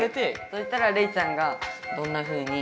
そしたらレイちゃんがどんなふうに。